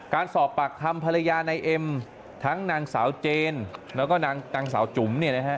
การสอบปากคำภรรยานายเอ็มทั้งนางสาวเจนแล้วก็นางสาวจุ๋มเนี่ยนะฮะ